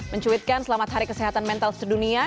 mencuitkan selamat hari kesehatan mental sedunia